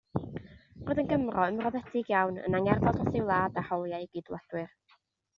Roedd yn Gymro ymroddedig iawn, yn angerddol dros ei wlad a hawliau ei gydwladwyr.